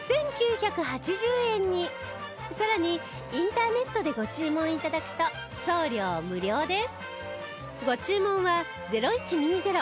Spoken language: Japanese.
さらにインターネットでご注文頂くと送料無料です